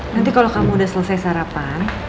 nanti kalau kamu udah selesai sarapan